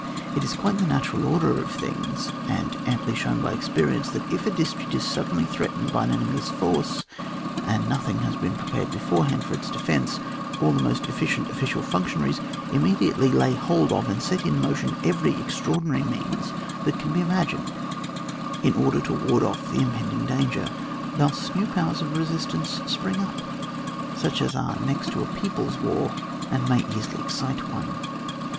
It is quite in the natural order of things, and amply shown by experience, that if a district is suddenly threatened by an enemy's force, and nothing has been pre pared beforehand for its defence, all the most efficient official functionaries imme diately lay hold of and set in motion every extraordinary means that can be imagined, in order to ward off the im pending danger. Thus, new powers of resistance spring up, such as are next to a people's war, and may easily excite one.